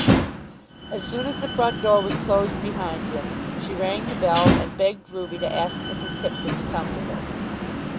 As soon as the front door was closed behind him she rang the bell and begged Ruby to ask Mrs. Pipkin to come to her.